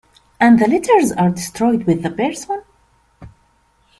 And the letters are destroyed with the person?